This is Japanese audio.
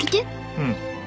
うん。